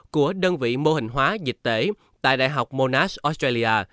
của đơn vị mô hình hóa dịch tễ tại đại học monas australia